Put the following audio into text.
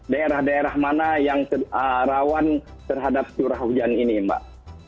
daerah daerah mana yang rawan terhadap curah hujan ini mbak